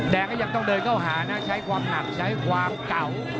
ก็ยังต้องเดินเข้าหานะใช้ความหนักใช้ความเก่า